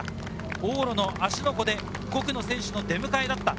往路の芦ノ湖で５区の選手の出迎えだった。